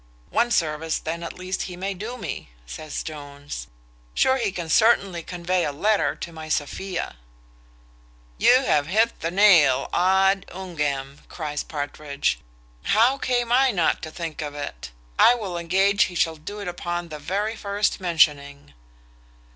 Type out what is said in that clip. "One service then at least he may do me," says Jones: "sure he can certainly convey a letter to my Sophia." "You have hit the nail ad unguem" cries Partridge; "how came I not to think of it? I will engage he shall do it upon the very first mentioning."